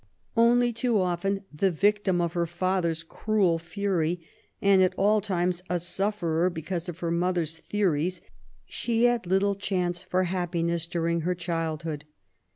Only too often the victim of her father's cruel fury, and at all times a sufferer because of her mother's theories, she had little chance for happiness during her childhood.